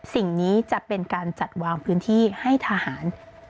สิ่งนี้จะเป็นการจัดวางพื้นที่ให้ทหาร